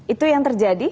itu yang terjadi